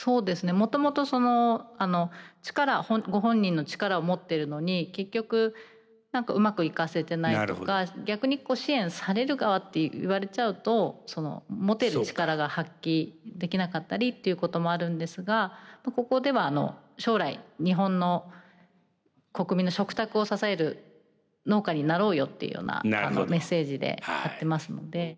もともとその力ご本人の力を持っているのに結局何かうまく生かせてないとか逆に支援される側っていわれちゃうとその持てる力が発揮できなかったりということもあるんですがここでは将来日本の国民の食卓を支える農家になろうよっていうようなメッセージでやってますので。